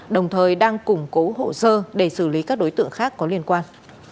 đồng thời đang củng cố hộ sơ để xử lý các đối tượng khác có liên quan